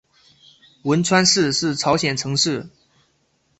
文川市是朝鲜城市。